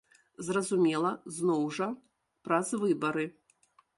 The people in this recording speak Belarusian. Зразумела, зноў жа праз выбары.